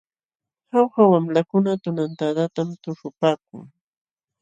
Jauja wamlakuna tunantadatam tuśhupaakun.